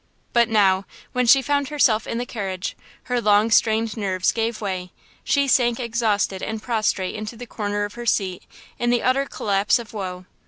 But now, when she found herself in the carriage, her long strained nerves gave way–she sank exhausted and prostrates into the corner of her seat, in the utter collapse of woe!